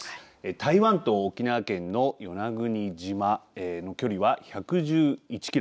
台湾と沖縄県の与那国島の距離は１１１キロ。